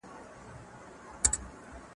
زه به سبا کتابونه لولم وم.